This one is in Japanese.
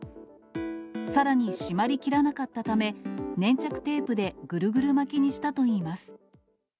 さらに閉まりきらなかったため、粘着テープでぐるぐる巻きにしたといいます。